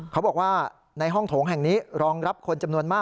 เขาบอกว่าในห้องโถงแห่งนี้รองรับคนจำนวนมาก